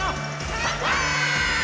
かんぱーい！